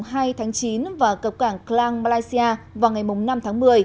vào ngày hai tháng chín và cập cảng klang malaysia vào ngày năm tháng một mươi